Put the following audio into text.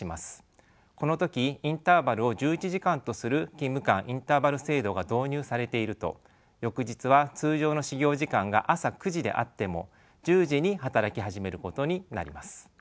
この時インターバルを１１時間とする勤務間インターバル制度が導入されていると翌日は通常の始業時間が朝９時であっても１０時に働き始めることになります。